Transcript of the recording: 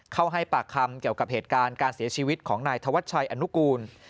ให้ปากคำเกี่ยวกับเหตุการณ์การเสียชีวิตของนายธวัชชัยอนุกูล